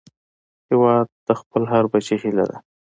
هیواد د خپل هر بچي هيله ده